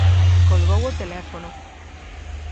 Colgou o teléfono.